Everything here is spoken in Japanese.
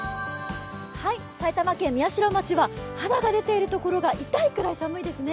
埼玉県宮代町は肌が出ているところが寒いぐらいですね。